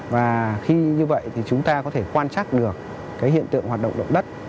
và khi như vậy thì chúng ta có thể quan trắc được cái hiện tượng hoạt động động đất